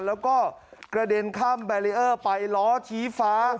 แล้วก็กระเด็นข้ามแบรีเออร์ไปล้อชี้ฟ้า